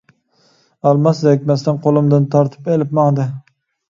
ئالماس زېرىكمەستىن قولۇمدىن تارتىپ ئېلىپ ماڭدى.